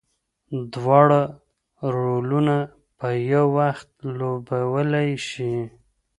دواړه رولونه په یو وخت لوبولی شي.